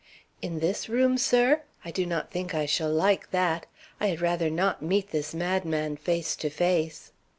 "In this room, sir? I do not think I shall like that. I had rather not meet this madman face to face."